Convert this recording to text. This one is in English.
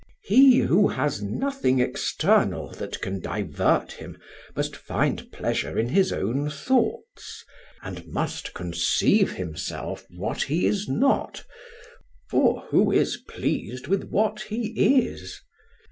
He who has nothing external that can divert him must find pleasure in his own thoughts, and must conceive himself what he is not; for who is pleased with what he is?